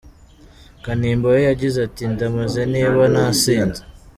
Kanimba we yagize ati : “Ndamaze niba nasinze.